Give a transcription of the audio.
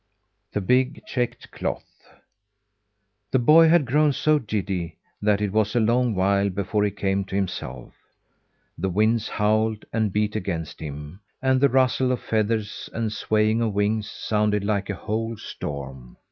THE BIG CHECKED CLOTH The boy had grown so giddy that it was a long while before he came to himself. The winds howled and beat against him, and the rustle of feathers and swaying of wings sounded like a whole storm.